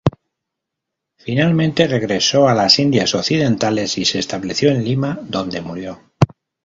Finalmente, regresó a las Indias Occidentales y se estableció en Lima, donde murió.